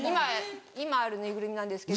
今あるぬいぐるみなんですけど。